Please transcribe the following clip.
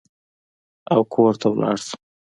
او کور ته ولاړ شم.